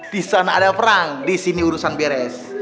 disana ada perang disini urusan beres